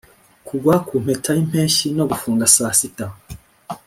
kugwa kumpeta yimpeshyi no gufunga saa sita.